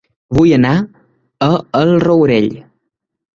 Vull anar a El Rourell